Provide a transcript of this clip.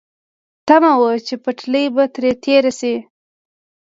تمه وه چې پټلۍ به ترې تېره شي.